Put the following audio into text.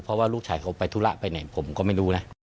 เพราะว่าลูกชายเขาไปธุระไปไหนผมก็ไม่รู้นะ